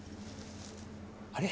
あれ？